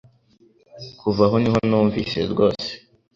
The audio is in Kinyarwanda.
Kuva aho niho numvise rwose